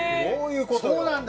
そうなんだ！